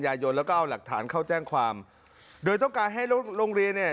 ยายนแล้วก็เอาหลักฐานเข้าแจ้งความโดยต้องการให้รถโรงเรียนเนี่ย